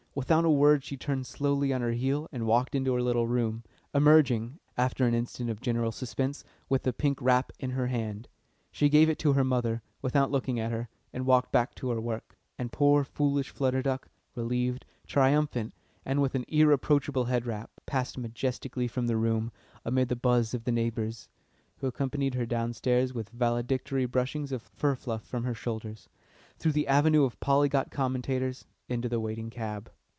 Without a word she turned slowly on her heel and walked into her little room, emerging, after an instant of general suspense, with the pink wrap in her hand. She gave it to her mother, without looking at her, and walked back to her work, and poor foolish Flutter Duck, relieved, triumphant, and with an irreproachable head wrap, passed majestically from the room, amid the buzz of the neighbours (who accompanied her downstairs with valedictory brushings of fur fluff from her shoulders), through the avenue of polyglot commentators, into the waiting cab.